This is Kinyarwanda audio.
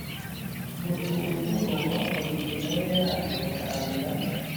mutuwo mugoroba olivier nawe yaraje bataramira